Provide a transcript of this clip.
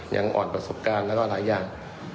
ยังอ่อนประสบการณ์แล้วก็หลายอย่าง